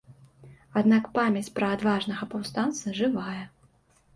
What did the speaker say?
Аднак памяць пра адважнага паўстанца жывая.